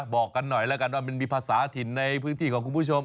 บอกกันหน่อยแล้วกันว่ามันมีภาษาถิ่นในพื้นที่ของคุณผู้ชม